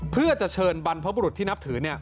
เพื่อจะเชิญบรรพบุรุษที่นับถือ